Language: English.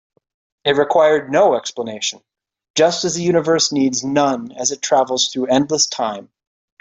It required no explanation, just as the universe needs none as it travels through endless time.